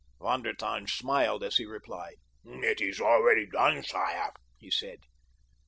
Von der Tann smiled as he replied. "It is already done, sire," he said.